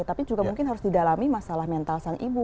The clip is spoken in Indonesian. tapi juga mungkin harus didalami masalah mental sang ibu